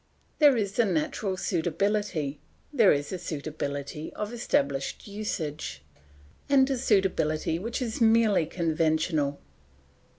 "There is a natural suitability, there is a suitability of established usage, and a suitability which is merely conventional.